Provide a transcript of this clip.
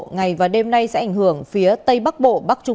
ngày và đêm nay sẽ ảnh hưởng phía tây bắc bộ bắc trung